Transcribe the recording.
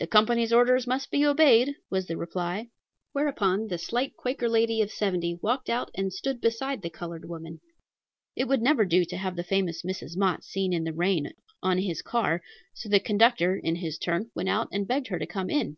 "The company's orders must be obeyed," was the reply. Whereupon the slight Quaker lady of seventy walked out and stood beside the colored woman. It would never do to have the famous Mrs. Mott seen in the rain on his car; so the conductor, in his turn, went out and begged her to come in.